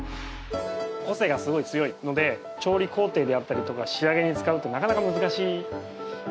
個性がすごい強いので調理工程であったりとか仕上げに使うとなかなか難しい。